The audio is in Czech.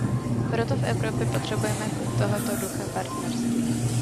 Proto v Evropě potřebujeme tohoto ducha partnerství.